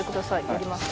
やります